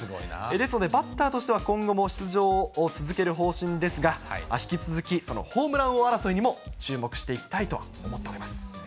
ですのでバッターとしては今後も出場を続ける方針ですが、ホームラン王争いにも注目していきたいと思っております。